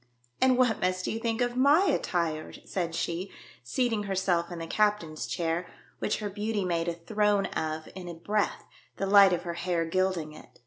" And what must you think of my attire ?" said she, seating herself in the captain's chair, which her beauty made a throne of in a breath, the light of her hair gilding it.